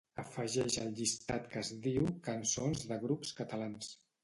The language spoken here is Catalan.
Afegeix el llistat que es diu "cançons de grups catalans".